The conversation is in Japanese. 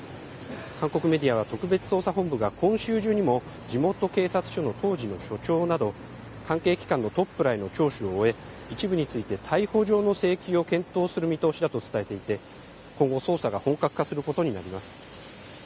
韓国メディアは特別捜査本部が今週中にも、地元警察署の当時の署長など、関係機関のトップらへの聴取を終え、一部について逮捕状の請求を検討する見通しだと伝えていて、今後、捜査が本格化することになります。